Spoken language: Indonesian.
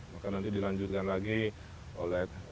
maka nanti dilanjutkan lagi oleh